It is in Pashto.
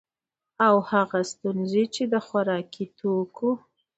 او هغه ستونزي چي د خوراکي توکو